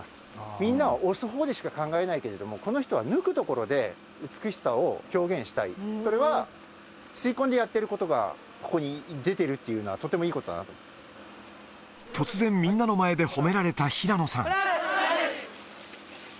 みんなは押す方でしか考えないけれども、この人は抜くところで、美しさを表現したい、それは吸い込んでやってることがここに出てるってことは、突然、みんなの前で褒められた平野さん。